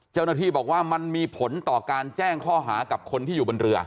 เจ้าหน้าที่บอกว่ามันมีผลต่อการแจ้งข้อหากับคนที่อยู่บนเรือ